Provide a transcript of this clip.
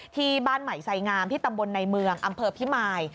ที่บ้านใหม่ไซงามที่ตำบลในเมืองอำเภอพิมาย